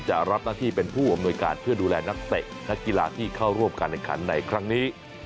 รับหน้าที่เป็นผู้อำนวยการเพื่อดูแลนักเตะนักกีฬาที่เข้าร่วมการแข่งขันในครั้งนี้